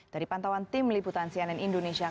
dari pantauan tim liputan cnn indonesia